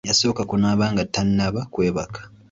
Yasooka kunaaba nga tannaba kwebaka.